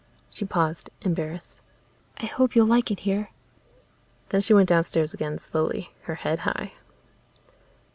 She paused, embarrassed. "I hope you'll like it here." Then she went downstairs again, slowly, her head high.